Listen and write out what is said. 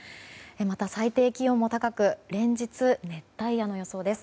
また、最低気温も高く連日熱帯夜の予想です。